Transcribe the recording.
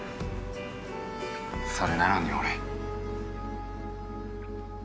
それなのに俺。